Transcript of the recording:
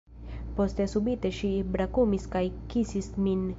Poste subite ŝi brakumis kaj kisis min.